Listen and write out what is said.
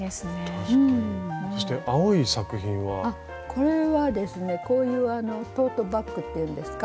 これはですねこういうあのトートバッグっていうんですか